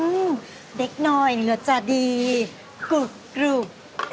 อืมเด็กน้อยเหนือจะดีกรุกกรุก